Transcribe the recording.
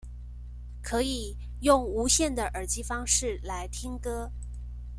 可以用無線的耳機方式來聽歌